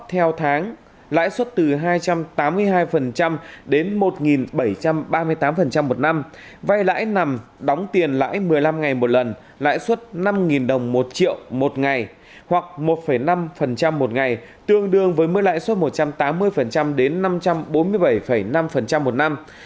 theo tháng lãi suất từ hai trăm tám mươi hai đến một bảy trăm ba mươi tám một năm vay lãi nằm đóng tiền lãi một mươi năm ngày một lần lãi suất năm đồng một triệu một ngày hoặc một năm một ngày tương đương với mức lãi suất một trăm tám mươi đến năm trăm bốn mươi bảy năm một năm